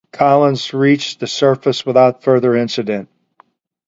"Collins" reached the surface without further incident.